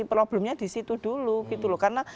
problemnya disitu dulu gitu loh karena